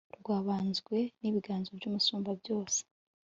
rwabanzwe n'ibiganza by'umusumbabyose